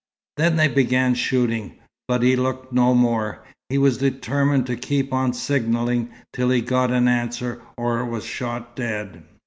Then they began shooting, but he looked no more. He was determined to keep on signalling till he got an answer or was shot dead.